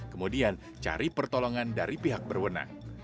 kemudian cari pertolongan dari pihak berwenang